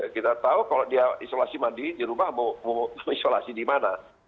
kita tahu kalau dia isolasi mandiri di rumah mau isolasi di mana